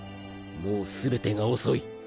もう全てが遅い。